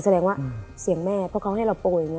แสดงว่าเสียงแม่เพราะเค้าให้เราโปร่ง